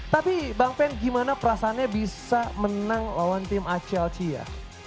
tapi bang pen gimana perasaannya bisa menang lawan tim aclc ya